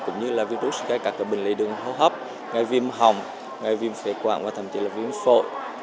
cũng như là virus các cái bệnh lý đường hỗ hấp gây viêm hồng gây viêm phế quạng và thậm chí là viêm phội